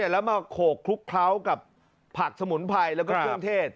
แล้วมาโขกคลุกเคล้ากับผักสมุนไพรแล้วก็เครื่องเทศ